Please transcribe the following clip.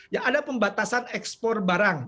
ya ada pembatasan ekspor barang